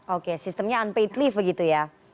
oke sistemnya unpaid leave begitu ya